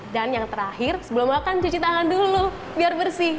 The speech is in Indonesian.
dan yang terakhir sebelum makan cuci tangan dulu biar bersih